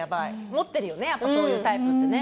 持ってるよねやっぱそういうタイプってね。